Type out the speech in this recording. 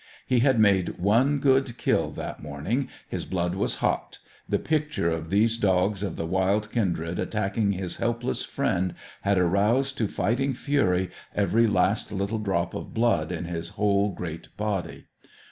He had made one good kill that morning, his blood was hot; the picture of these dogs of the wild kindred attacking his helpless friend had roused to fighting fury every last little drop of blood in his whole great body.